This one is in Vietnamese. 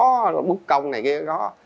chứ là khó bút công này kia đó